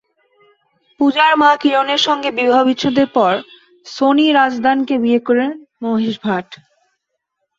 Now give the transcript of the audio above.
পূজার মা কিরণের সঙ্গে বিবাহবিচ্ছেদের পর সোনি রাজদানকে বিয়ে করেন মহেশ ভাট।